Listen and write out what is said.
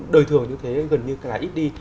đời thường như thế gần như là ít đi